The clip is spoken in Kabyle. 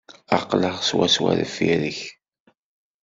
Aql-aɣ swaswa deffir-k.